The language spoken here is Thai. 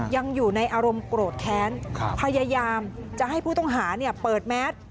ยังอยู่ในอารมณ์โกรธแค้นพยายามจะให้ผู้ต้องหาเปิดแมส